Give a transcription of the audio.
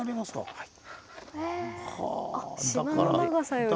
はい。